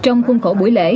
trong khuôn khổ buổi lễ